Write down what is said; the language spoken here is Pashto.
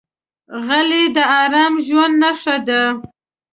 غلی، د ارام ژوند نښه ده.